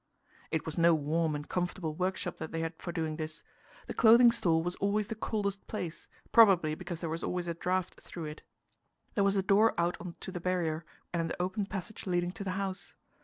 It was no warm and comfortable workshop that they had for doing this. The Clothing Store was always the coldest place, probably because there was always a draught through it. There was a door out on to the Barrier, and an open passage leading to the house.